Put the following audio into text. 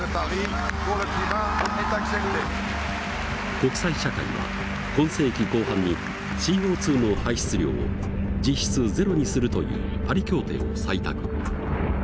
国際社会は今世紀後半にＣＯの排出量を実質ゼロにするというパリ協定を採択。